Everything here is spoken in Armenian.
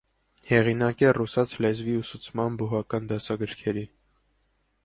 Հեղինակ է ռուսաց լեզվի ուսուցման բուհական դասագրքերի։